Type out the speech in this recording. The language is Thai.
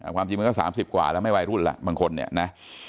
ความจริงมันก็๓๐กว่าแล้วไม่วัยรุ่นแล้วบางคนเนี่ยนะ